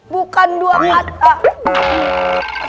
bukan dua kata